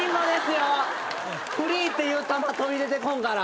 「ＦＲＥＥ」っていう玉飛び出てこんから。